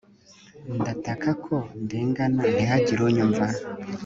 ndataka ko ndengana, ntihagire unyumva